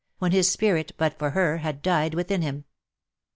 when his spirit, but for her, had died within him.